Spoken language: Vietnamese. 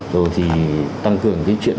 rồi thì tăng cường cái chuyện